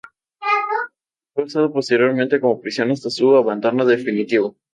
Fue usado posteriormente como prisión hasta su abandono definitivo.